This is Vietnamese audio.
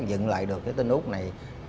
dựng lại được tên úc này